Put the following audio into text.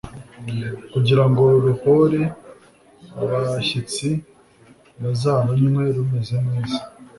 kugirango ruhore abashyitsi bazarunywe rumeze neza